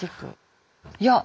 いや！